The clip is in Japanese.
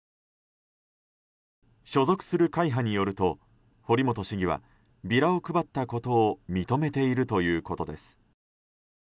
所属する会派によると堀本市議はビラを配ったことを認めているということです。